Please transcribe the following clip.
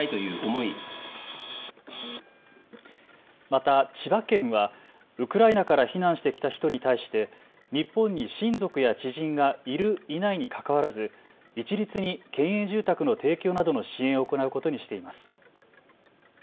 また、千葉県はウクライナから避難してきた人に対して日本に親族や知人がいるいないにかかわらず一律に県営住宅の提供などの支援を行うことにしています。